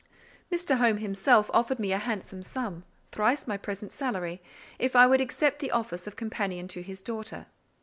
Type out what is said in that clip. Mr. Home himself offered me a handsome sum—thrice my present salary—if I would accept the office of companion to his daughter.